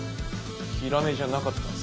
ヒラメじゃなかったんすか？